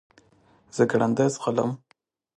زه ګړندی ځغلم .